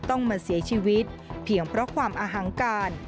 ต้องมาเสียชีวิตเพียงเพราะความอหังการ